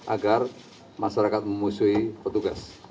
agar masyarakat memusuhi petugas